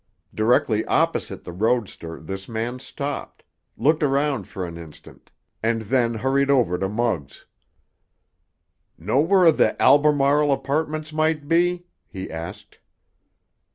Directly opposite the roadster this man stopped, looked around for an instant, and then hurried over to Muggs. "Know where the Albemarle Apartments might be?" he asked.